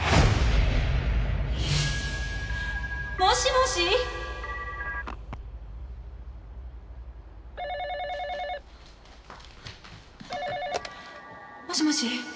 「」もしもし？もしもし？